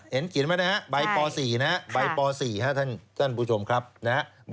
เห็นกินไหมนะฮะใบป่าวสี่นะฮะใบป่าวสี่ฮะท่านท่านผู้ชมครับนะฮะ